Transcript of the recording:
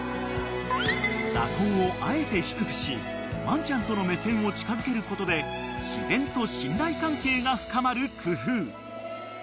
［座高をあえて低くしワンちゃんとの目線を近づけることで自然と信頼関係が深まる工夫］